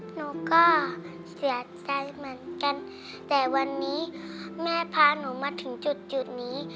หนูก็เสียใจเหมือนกันแต่วันนี้แม่พาหนูมาถึงจุดนี้